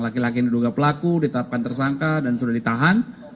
laki laki yang diduga pelaku ditetapkan tersangka dan sudah ditahan